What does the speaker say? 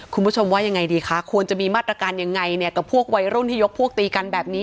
คุณผู้ชมว่ายังไงดีคะควรจะมีมาตรการยังไงเนี่ยกับพวกวัยรุ่นที่ยกพวกตีกันแบบนี้